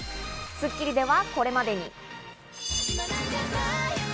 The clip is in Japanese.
『スッキリ』ではこれまでに。